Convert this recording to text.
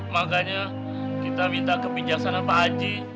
makanya kita minta kebijaksanaan pak haji